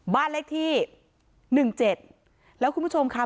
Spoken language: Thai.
บ้านเลขที่หนึ่งเจ็ดแล้วคุณผู้ชมค่ะ